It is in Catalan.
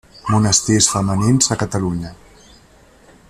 Monestirs femenins a Catalunya.